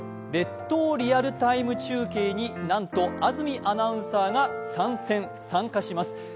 「列島リアルＴＩＭＥ！中継」に、なんと安住アナウンサーが参戦、参加します。